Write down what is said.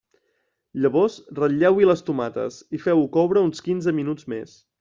Llavors ratlleu-hi les tomates i feu-ho coure uns quinze minuts més.